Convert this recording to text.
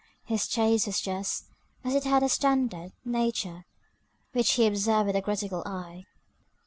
His taste was just, as it had a standard Nature, which he observed with a critical eye.